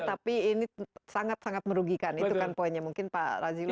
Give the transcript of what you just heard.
tapi ini sangat sangat merugikan itu kan poinnya mungkin pak razilul